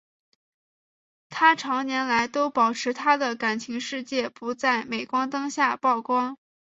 她长年来都保持她的感情世界不在镁光灯下曝光。